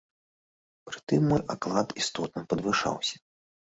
Пры тым мой аклад істотна падвышаўся.